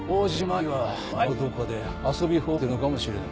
今頃どこかで遊びほうけてるのかもしれない。